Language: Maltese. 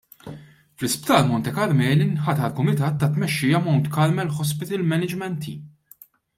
Fl-Isptar Monte Carmeli inħatar kumitat ta' tmexxija Mount Carmel Hospital Management Team.